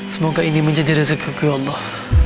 semoga ini menjadi rezeki ku ya allah